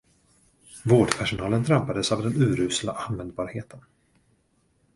Vårdpersonalen drabbades av den urusla användbarheten.